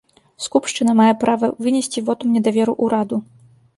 Скупшчына мае права вынесці вотум недаверу ўраду.